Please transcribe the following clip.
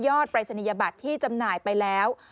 ปรายศนียบัตรที่จำหน่ายไปแล้ว